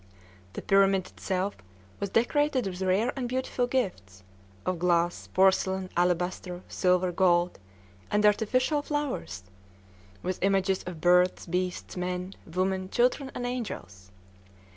The pyramid itself was decorated with rare and beautiful gifts, of glass, porcelain, alabaster, silver, gold, and artificial flowers, with images of birds, beasts, men, women, children, and angels.